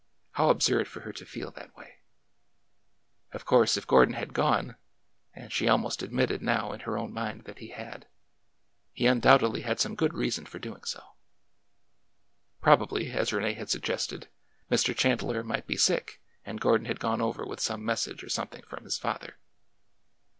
How absurd for her to feel that way 1 Of course, if Gordon had gone,— and she almost admitted now in her own mind that he had,— he undoubtedly had some good reason for doing so. Probably, as Rene had suggested, Mr. Chandler might be sick and Gordon had gone over with some message or something from his father.